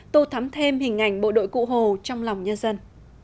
tô thắm thêm hình ảnh bộ đội cụ hồ trong lòng nhân dân